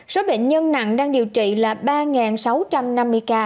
số bệnh nhân nặng đang điều trị là ba sáu trăm năm mươi ca